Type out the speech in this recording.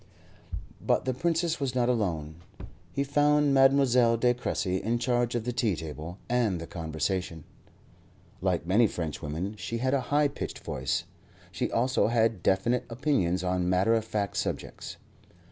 But the Princess was not alone. He found Mademoiselle de Cressy in charge of the tea table and the conversation. Like many Frenchwomen, she had a high pitched voice; she also had definite opinions on matter of fact subjects.